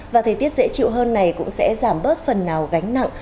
và thời tiết dễ chịu hơn này cũng sẽ giảm bớt phần nào gánh nặng